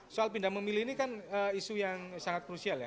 soal pindah memilih ini kan isu yang sangat krusial ya